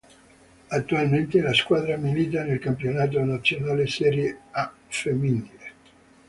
Attualmente la squadra milita nel campionato nazionale Serie A Femminile.